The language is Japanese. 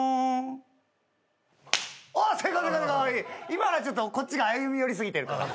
今のはちょっとこっちが歩み寄り過ぎてるから。